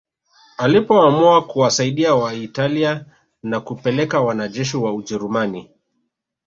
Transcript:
Alipoamua kuwasaidia Waitalia na kupeleka wanajeshi wa Ujerumani